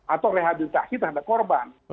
atau rehabilitasi terhadap korban